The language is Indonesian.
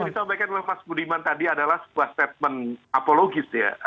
yang disampaikan oleh mas budiman tadi adalah sebuah statement apologis ya